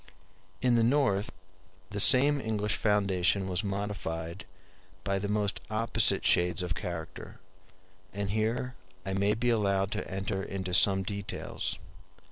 ] In the North, the same English foundation was modified by the most opposite shades of character; and here I may be allowed to enter into some details.